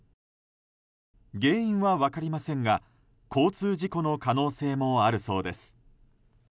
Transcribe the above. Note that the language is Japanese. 原因は分かりませんが交通事故の可能性もあるそうです。